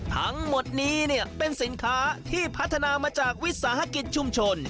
ทั้งหมดนี้เป็นสินค้าที่พัฒนามาจากวิสาหกิจชุมชน